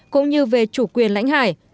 cũng như về chủ quyền lãnh hải